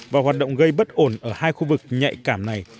và hoạt động gây bất ổn ở hai khu vực nhạy cảm này